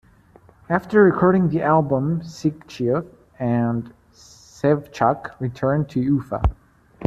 After recording the album, Sigachyov and Shevchuk returned to Ufa.